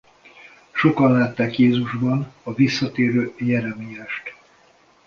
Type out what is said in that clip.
Sokan látták Jézusban a visszatérő Jeremiást.